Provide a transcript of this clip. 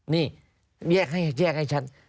นี่แยกให้ชัด